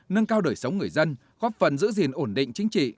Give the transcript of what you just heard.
nâng cao đời sống người dân góp phần giữ gìn ổn định chính trị